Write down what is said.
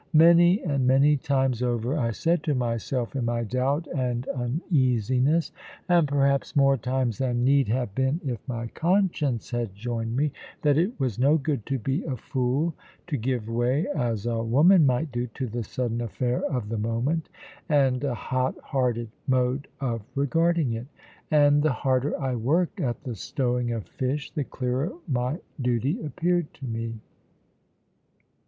Many and many times over I said to myself, in my doubt and uneasiness, and perhaps more times than need have been if my conscience had joined me, that it was no good to be a fool, to give way (as a woman might do) to the sudden affair of the moment, and a hot hearted mode of regarding it. And the harder I worked at the stowing of fish, the clearer my duty appeared to me.